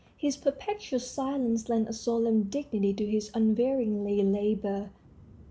His perpetual silence lent a solemn dignity to his unwearying labor.